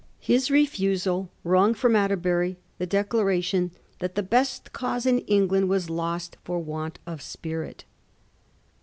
His refusal wrung from Atterbury the declaration that the best cause in England was lost for want of spirit.